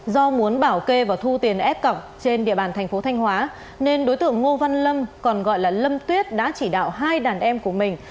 do muốn bảo kê và thu tiền ép cọc trên địa bàn thành phố thanh hóa nên đối tượng ngô văn lâm còn gọi là lâm tuyết đã chỉ đạo hai đàn em của mình